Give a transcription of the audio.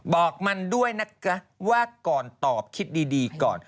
บอกมันด้วยนะคะว่าก่อนตอบคิดดีก่อน